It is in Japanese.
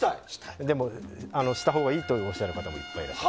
したほうがいいとおっしゃる方もいらっしゃいます。